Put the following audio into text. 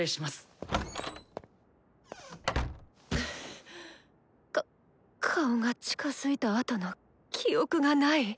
心の声か顔が近づいたあとの記憶がない。